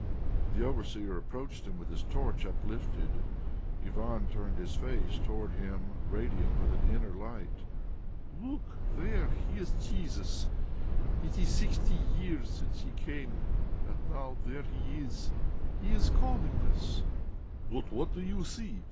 The overseer approached him with his torch uplifted. Ivan turned his face toward him radiant with an inner light. "Look! There He is Jesus! It is sixty years since He came, and now there He is. He is calling us!" "But what do you see?